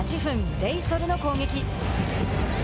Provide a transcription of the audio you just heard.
レイソルの攻撃。